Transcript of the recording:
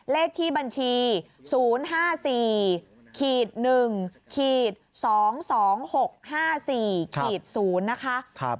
เลขที่บัญชี๐๕๔๑๒๒๖๕๔๐นะคะ